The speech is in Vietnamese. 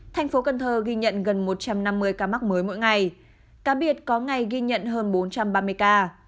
thành phố cần thơ ghi nhận gần một trăm năm mươi ca mắc mới mỗi ngày cá biệt có ngày ghi nhận hơn bốn trăm ba mươi ca